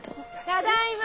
ただいま！